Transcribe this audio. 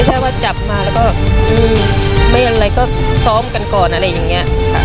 ใช่ว่าจับมาแล้วก็ไม่อะไรก็ซ้อมกันก่อนอะไรอย่างนี้